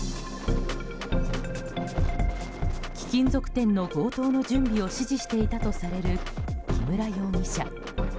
貴金属店の強盗の準備を指示していたとされる木村容疑者。